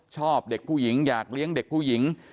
ชอบเด็กผู้หญิงอยากเลี้ยงเด็กผู้หญิง